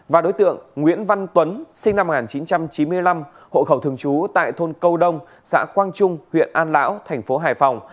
và đối tượng nguyễn văn tuấn sinh năm một nghìn chín trăm chín mươi năm hộ khẩu thường trú tại thôn câu đông xã quang trung huyện an lão thành phố hải phòng